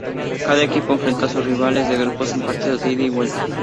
Cada equipo enfrentó a sus rivales de grupo en partidos de ida y vuelta.